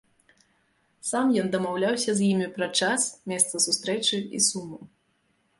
Сам ён дамаўляўся з імі пра час, месца сустрэчы і суму.